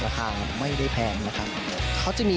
ทางไม่ได้แพงนะครับ